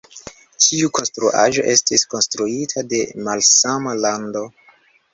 Ĉiu konstruaĵo estis konstruita de malsama lando.